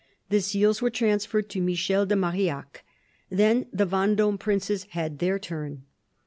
The seals were transferred to Michel de Marillac. Then the Vendome princes had their turn.